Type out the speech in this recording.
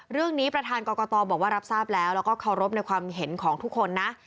เรื่องนี้ประธานกรกตบอกว่ารับทราบแล้วแล้วก็เคารพในความเห็นของทุกคนนะ